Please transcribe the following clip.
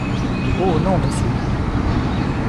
Oh ! non, Monsieur.